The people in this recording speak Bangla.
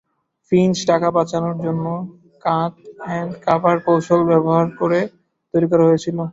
ফিঞ্চ টাকা বাঁচানোর জন্য কাট-এন্ড-কভার কৌশল ব্যবহার করে তৈরি করা হয়েছিল।